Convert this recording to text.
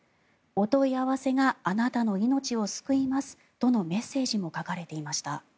お問い合わせがあなたの命を救いますとのメッセージも書かれていました。